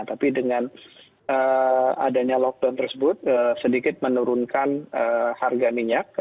tapi dengan adanya lockdown tersebut sedikit menurunkan harga minyak